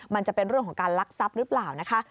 มันจะเป็นเรื่องของการลักทรัพย์หรือเปล่านะคะ